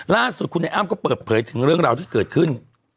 ล่าสุดคุณไอ้อ้ำก็เปิดเผยถึงเรื่องราวที่เกิดขึ้น